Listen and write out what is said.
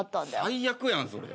最悪やんそれ。